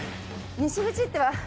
西口って。